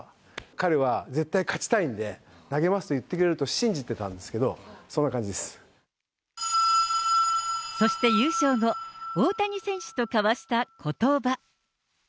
彼は絶対勝ちたいんで、投げますと言ってくれると信じてたんですそして、優勝後、大谷選手と交わしたことば。